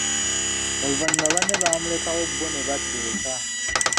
Oluvanyuma banne bamulekawo bo ne badda eka.